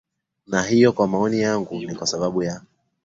na hiyo kwa maoni yangu ni kwa sababu ya